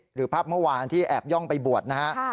หรือภาพเมื่อวานที่แอบย่องไปบวชนะฮะ